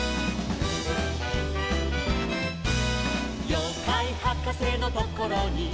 「ようかいはかせのところに」